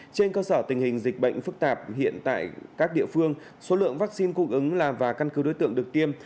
trên cơ sở tình hình dịch bệnh phức tạp hiện tại các địa phương số lượng vaccine cung ứng là và căn cứ đối tượng được tiêm